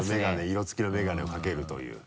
色付きの眼鏡を掛けるという。